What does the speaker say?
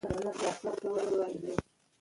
ډیپلوماسي د بینالمللي نظام د ثبات یوه ستنه ده.